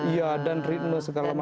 iya dan ritme segala macam